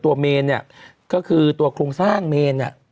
ตัวเมนเนี่ยก็คือตัวคลุงสร้างเมนเนี่ย